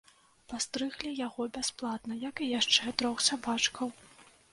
Пастрыглі яго бясплатна, як і яшчэ трох сабачкаў.